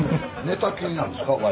寝たきりなんですか？